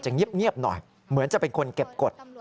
เงียบหน่อยเหมือนจะเป็นคนเก็บกฎ